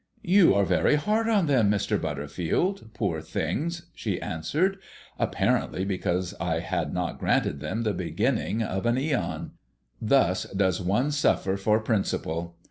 "You are very hard on them, Mr. Butterfield poor things!" she answered apparently because I had not granted them the beginning of an æon. Thus does one suffer for principle!